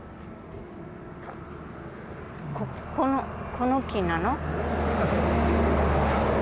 この木なの？